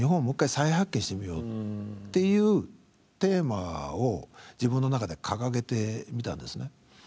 もう一回再発見してみようっていうテーマを自分の中で掲げてみたんですね。